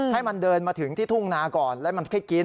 ให้มันเดินมาถึงที่ทุ่งนาก่อนแล้วมันค่อยกิน